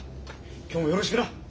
今日もよろしくな。